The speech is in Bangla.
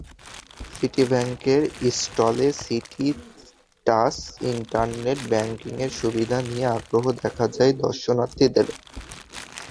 সিটি ব্যাংকের স্টলে সিটি টাচ ইন্টারনেট ব্যাংকিয়ের সুবিধা নিয়ে আগ্রহ দেখা যায় দর্শনার্থীদের।